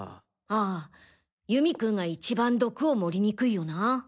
ああ祐美君が一番毒を盛りにくいよな？